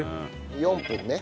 ４分ね。